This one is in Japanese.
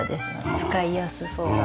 使いやすそうだなって。